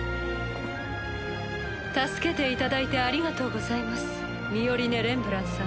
助けていただいてありがとうございますミオリネ・レンブランさん。